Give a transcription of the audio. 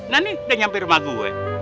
nah ini udah nyampe rumah gue